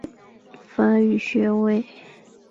后入读马什哈德大学获阿拉伯语及法语学位。